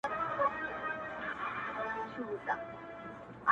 ته غواړې سره سکروټه دا ځل پر ځان و نه نیسم ـ